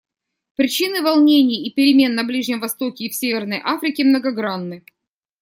Причины волнений и перемен на Ближнем Востоке и в Северной Африке многогранны.